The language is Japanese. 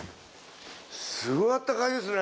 すごいあったかいですね。